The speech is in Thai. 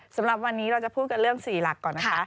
สำหรับวันนี้เราจะพูดกันเรื่อง๔หลักก่อนนะคะ